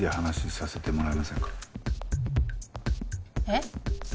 えっ？